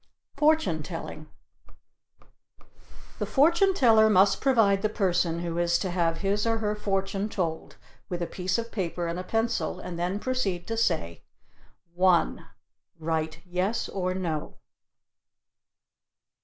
FORTUNE TELLING The Fortune Teller must provide the person who is to have his or her fortune told with a piece of paper and a pencil and then proceed to say: 1. Write "Yes" or "no."